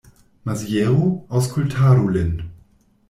Maziero, aŭskultadu lin.